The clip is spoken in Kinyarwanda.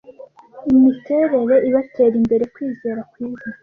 imiterere ibatera imbere kwizera kwiza